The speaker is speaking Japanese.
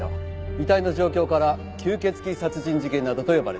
遺体の状況から吸血鬼殺人事件などと呼ばれた。